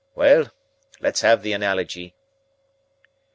We'll let's have the analogy."